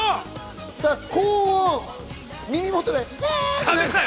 高音、耳元で。